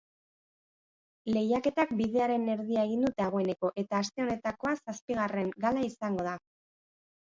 Lehiaketak bidearen erdia egin du dagoeneko eta aste honetakoa zazpigarren gala izango da.